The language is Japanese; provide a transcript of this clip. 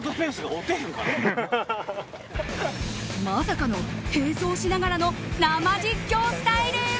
まさかの並走しながらの生実況スタイル。